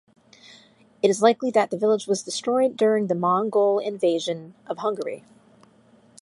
It is likely that the village was destroyed during the Mongol invasion of Hungary.